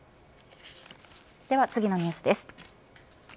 では、次のニュースです。